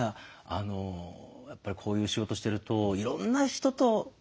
やっぱりこういう仕事してるといろんな人とずっとね。